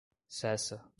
Cessa